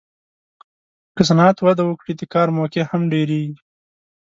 که صنعت وده وکړي، د کار موقعې هم ډېرېږي.